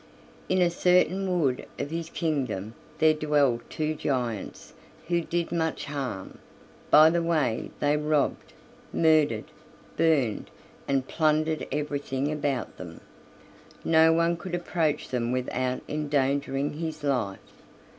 In a certain wood of his kingdom there dwelled two giants who did much harm; by the way they robbed, murdered, burned, and plundered everything about them; "no one could approach them without endangering his life.